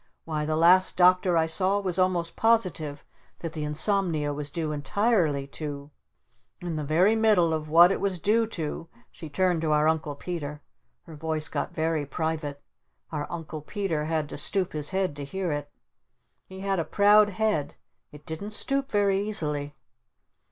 Why the last Doctor I saw was almost positive that the Insomnia was due entirely to " In the very middle of what it was due to she turned to our Uncle Peter. Her voice got very private. Our Uncle Peter had to stoop his head to hear it. He had a proud head. It didn't stoop very easily.